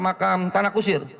makam tanah kusir